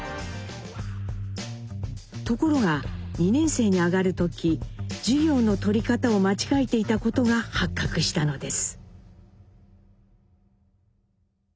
ところが２年生に上がる時授業の取り方を間違えていたことが発覚したのです。